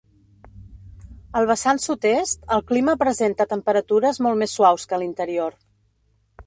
Al vessant sud-est, el clima presenta temperatures molt més suaus que a l'interior.